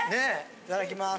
いただきます。